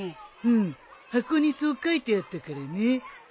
うん箱にそう書いてあったからね。